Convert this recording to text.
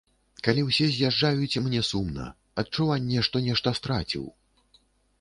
Калі ўсе з'язджаюць мне сумна, адчуванне, што нешта страціў!